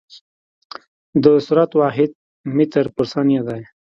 د سرعت واحد متر پر ثانیه دی.